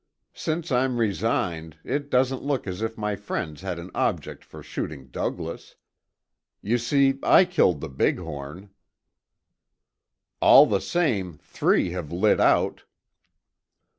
Since I'm resigned, it doesn't look as if my friends had an object for shooting Douglas. You see, I killed the big horn." "All the same, three have lit out."